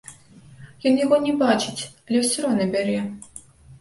Ён яго не бачыць, але ўсё роўна бярэ.